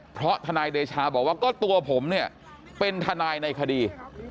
เพราะทนายเดชาบอกว่าก็ตัวผมเนี่ยเป็นทนายในคดี